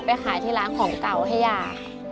ไปขายที่ร้านของเก่าให้ย่า